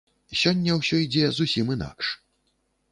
Сёння ўсё ідзе зусім інакш.